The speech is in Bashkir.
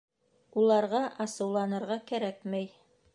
Уларға асыуланырға кәрәкмәй.